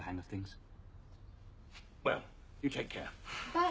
はい。